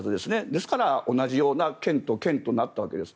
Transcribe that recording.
ですから同じような剣と剣となったんです。